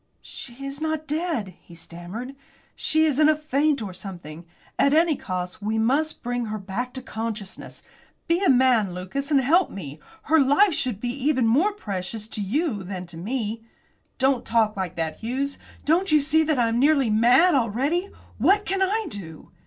"She is not dead," he stammered. "She is in a faint or something. At any cost we must bring her back to consciousness. Be a man, Lucas, and help me. Her life should be even more precious to you than to me." "Don't talk like that, Hughes. Don't you see that I am nearly mad already? What can I do?"